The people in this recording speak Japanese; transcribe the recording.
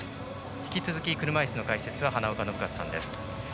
引き続き車いすの解説は花岡さんです。